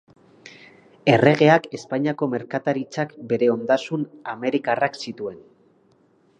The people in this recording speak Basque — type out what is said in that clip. Erregeak Espainiako merkataritzak bere ondasun Amerikarrak zituen.